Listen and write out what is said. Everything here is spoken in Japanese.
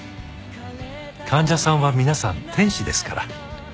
患者さんは皆さん天使ですから。